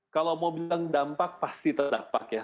kalau mau bilang dampak pasti terdampak ya